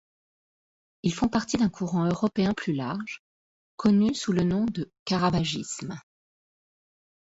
Ils font partie d’un courant européen plus large, connu sous le nom de caravagisme.